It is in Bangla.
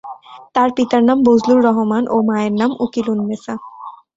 তার পিতার নাম বজলুর রহমান ও মায়ের নাম উকিলুন্নেচ্ছা।